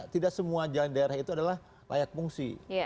karena tidak semua jalan di daerah itu adalah layak fungsi